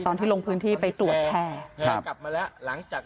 ตอนที่ลงพื้นที่ไปตรวจแพร่